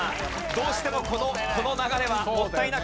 どうしてもこの流れはもったいなくはなりますが。